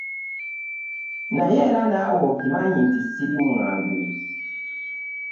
Naye era naawe okimanyi nti ssiri mwangu.